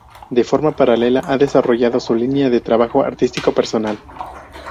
De forma paralela, ha desarrollado su línea de trabajo artístico personal.